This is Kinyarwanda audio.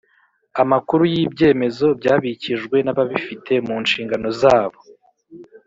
amakuru y ibyemezo byabikijwe n ababifite mu nshingano zabo